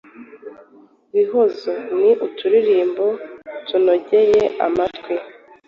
bihozo ni uturirimbo tunogeye amatwi.